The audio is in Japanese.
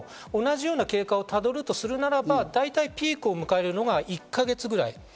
仮にですけれども、同じような経過をたどるとするならば大体ピークを迎えるのが１か月ぐらい。